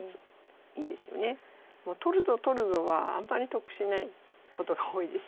「取るぞ取るぞ」はあんまり得しないことが多いです。